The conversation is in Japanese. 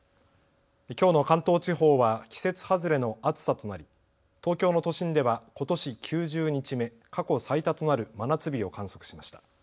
きょうの関東地方は季節外れの暑さとなり東京の都心ではことし９０日目、過去最多となる真夏日を観測しました。